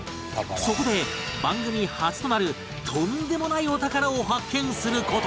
そこで番組初となるとんでもないお宝を発見する事に！